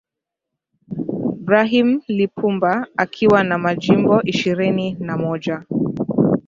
brahim lipumba akiwa na majimbo ishirini na moja